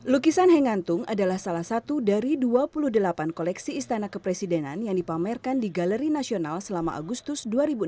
lukisan hengantung adalah salah satu dari dua puluh delapan koleksi istana kepresidenan yang dipamerkan di galeri nasional selama agustus dua ribu enam belas